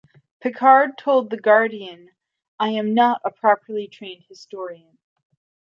Picard told "The Guardian": "I am not a properly trained historian.